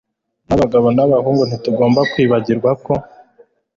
n abagabo n abahungu ntitugomba kwibagirwako